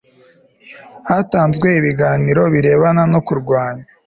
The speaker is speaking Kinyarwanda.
hatanzwe ibiganiro birebana no kurwanya